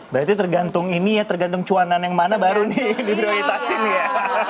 berarti tergantung ini ya tergantung cuanan yang mana baru nih yang diprioritasin ya